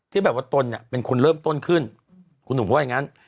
แบบว่าตนเนี่ยเป็นคนเริ่มต้นขึ้นคุณหนุ่มก็ว่าอย่างนั้น